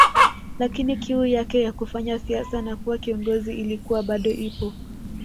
Lakini kiu yake ya kufanya siasa na kuwa kiongozi ilikuwa bado ipo